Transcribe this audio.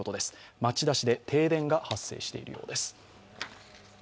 町田市で停電が発生しているようです。